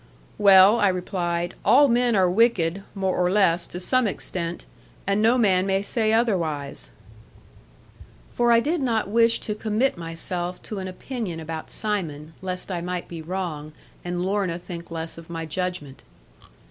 'Well,' I replied; 'all men are wicked, more or less, to some extent; and no man may say otherwise.' For I did not wish to commit myself to an opinion about Simon, lest I might be wrong, and Lorna think less of my judgment.